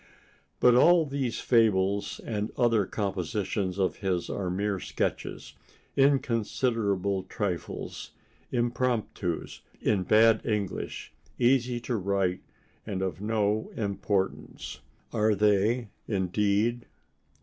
But all these fables and other compositions of his are mere sketches, inconsiderable trifles, impromptus in bad English, easy to write and of no importance! Are they, indeed?